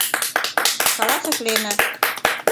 — каласыш Лена.